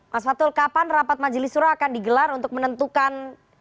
mas fatul kapan rapat majelis surah akan digelar untuk menentukan